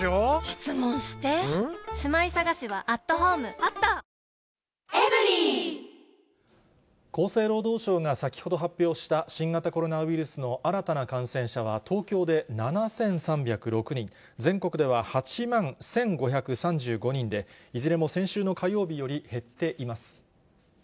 あなたも厚生労働省が先ほど発表した新型コロナウイルスの新たな感染者は東京で７３０６人、全国では８万１５３５人で、いずれ先週の火曜日より減っています。